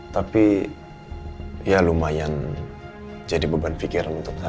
tapi ya lumayan jadi beban pikiran untuk saya